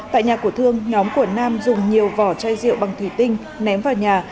tại nhà của thương nhóm của nam dùng nhiều vỏ chai rượu bằng thủy tinh ném vào nhà